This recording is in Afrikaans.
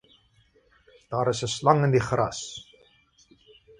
Daar is 'n slang in die gras